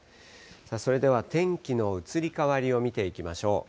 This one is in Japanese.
それでは天気の移り変わりを見ていきましょう。